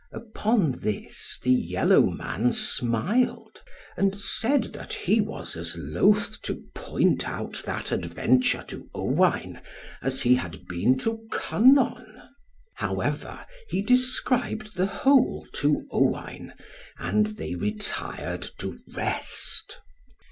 Upon this, the yellow man smiled, and said that he was as loth to point out that adventure to Owain as he had been to Kynon. However he described the whole to Owain, and they retired to rest.